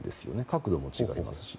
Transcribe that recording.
角度も違いますし。